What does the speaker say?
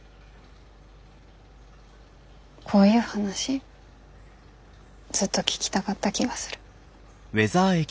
こういう話ずっと聞きたかった気がする。